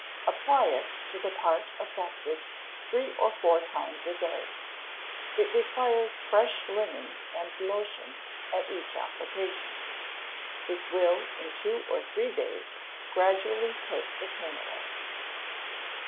Apply it to the part affected three or four times a day. It requires fresh linen and lotion at each application; this will, in two or three days, gradually take the pain away.